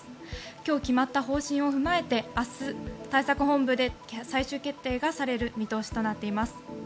今日決まった方針を踏まえて明日、対策本部で最終決定がされる見通しとなっています。